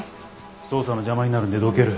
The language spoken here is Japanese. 捜査の邪魔になるんでどける。